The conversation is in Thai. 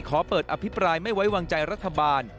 ขอเปิดอภิปรายไม่ไว้วางใจรัฐบาล